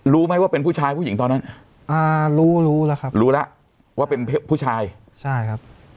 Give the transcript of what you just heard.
รู้ไหมว่าเป็นผู้ชายผู้หญิงตอนนั้นอ่ารู้รู้แล้วครับรู้แล้วว่าเป็นผู้ชายใช่ครับ